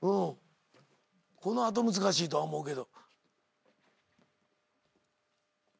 この後難しいとは思うけど。